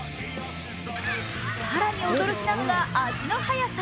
更に驚きなのが足の速さ。